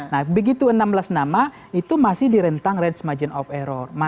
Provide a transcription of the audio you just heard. nah begitu enam belas nama itu masih di rentang range margin of error